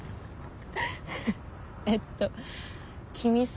えっと君さ。